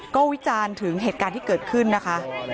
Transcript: ก็วิจารณ์ถึงเหตุการณ์ที่เกิดขึ้นนะคะ